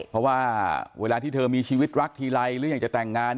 เพราะว่าเวลาที่เธอมีชีวิตรักทีไรหรืออยากจะแต่งงาน